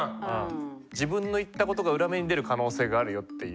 自分の言ったことが裏目に出る可能性があるよっていう。